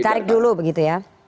ditarik dulu begitu ya